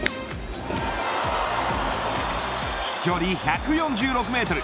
飛距離１４６メートル。